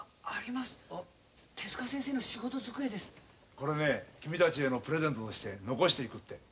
これね君たちへのプレゼントとして残していくって。